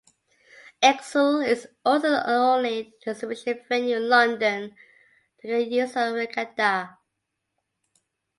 ExCeL is also the only exhibition venue in London that can host a regatta.